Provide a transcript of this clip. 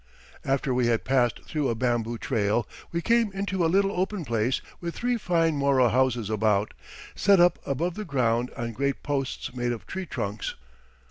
After we had passed through a bamboo trail, we came into a little open place with three fine Moro houses about, set up above the ground on great posts made of tree trunks.